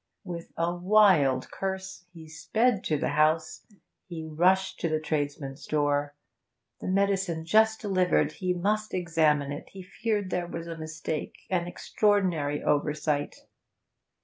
With a wild curse he sped to the house, he rushed to the tradesman's door. The medicine just delivered! He must examine it he feared there was a mistake an extraordinary oversight.